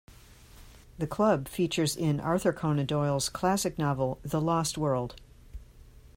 The club features in Arthur Conan Doyle's classic novel, "The Lost World".